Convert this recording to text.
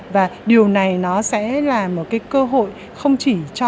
và điều này nó sẽ là một cái cơ hội không chỉ cho